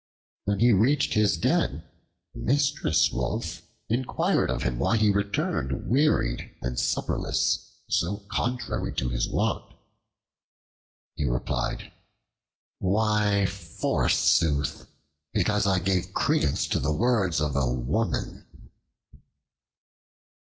When he reached his den, Mistress Wolf inquired of him why he returned wearied and supperless, so contrary to his wont. He replied: "Why, forsooth! use I gave credence to the words of a woman!"